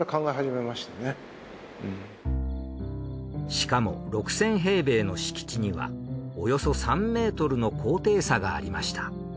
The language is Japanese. しかも６，０００平米の敷地にはおよそ３ｍの高低差がありました。